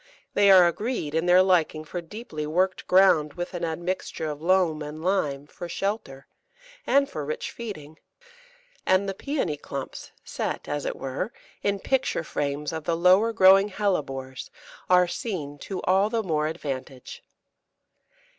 They are agreed in their liking for deeply worked ground with an admixture of loam and lime, for shelter, and for rich feeding; and the Pæony clumps, set, as it were, in picture frames of the lower growing Hellebores, are seen to all the more advantage.